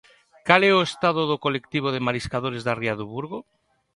Cal é o estado do colectivo de mariscadores da ría do Burgo?